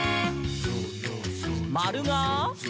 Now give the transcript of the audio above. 「まるが？」